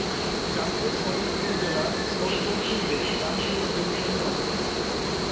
চাঁদপুর সদর উপজেলার সর্ব-পূর্বে রামপুর ইউনিয়নের অবস্থান।